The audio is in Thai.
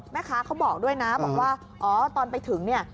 แม่ค้าเขาบอกด้วยนะบอกว่าตอนไปถึงเนี่ย